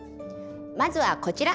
まずはこちら。